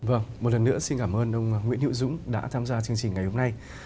vâng một lần nữa xin cảm ơn ông nguyễn hữu dũng đã tham gia chương trình ngày hôm nay